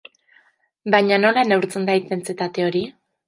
Baina nola neurtzen da intentsitate hori?